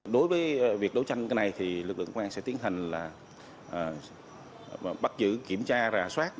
đối với việc đấu tranh này thì lực lượng quang sẽ tiến hành là bắt giữ kiểm tra rà soát